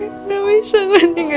aku cinta banget sama dia